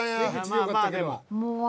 まあまあでも。